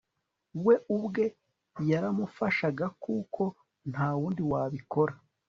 we ubwe yaramufashaga kuko ntawundi wabikora